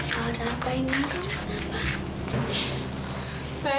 kalau ada apa ini kok kenapa